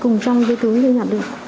cùng trong cái túi tôi nhặt được